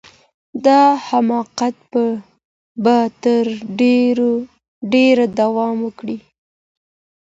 دا حماقت به تر ډیره دوام وکړي.